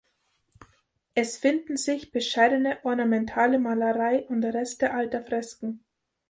Es finden sich bescheidene ornamentale Malerei und Reste alter Fresken.